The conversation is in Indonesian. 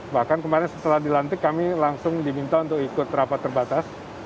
bahkan kemarin setelah dilantik kami langsung diminta untuk ikut rapat terbatas